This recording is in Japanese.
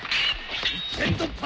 一点突破！